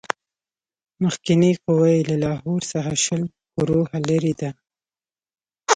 مخکنۍ قوه یې له لاهور څخه شل کروهه لیري ده.